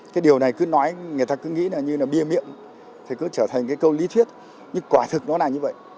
cái điều này cứ nói người ta cứ nghĩ là như là bia miệng thì cứ trở thành cái câu lý thuyết nhưng quả thực nó là như vậy